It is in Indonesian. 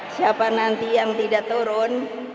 siapa nanti yang tidak turun